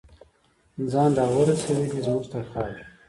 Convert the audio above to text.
ځان راورسوي دی زمونږ تر خاورې